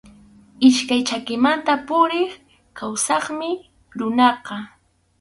Iskay chakimanta puriq kawsaqmi runaqa.